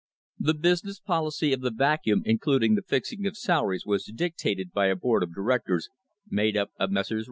The business policy of the Vacuum, including the fixing of salaries, was dictated by a board of directors made up of Messrs.